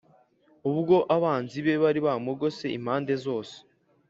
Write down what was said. ubwo abanzi be bari bamugose impande zose,